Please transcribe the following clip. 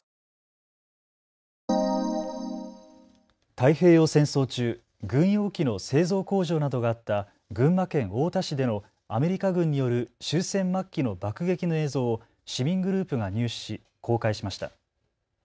太平洋戦争中、軍用機の製造工場などがあった群馬県太田市でのアメリカ軍による終戦末期の爆撃の映像を市民グループが入手し公開しました。